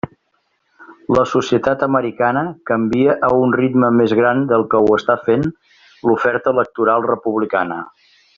La societat americana canvia a un ritme més gran del que ho està fent l'oferta electoral republicana.